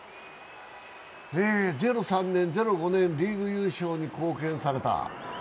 ０３年、０５年、リーグ優勝に貢献された。